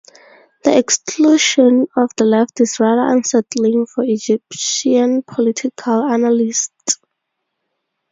The exclusion of the left is rather unsettling for Egyptian political analysts.